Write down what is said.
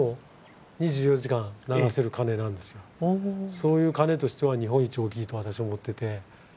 そういう鐘としては日本一大きいと私は思ってて。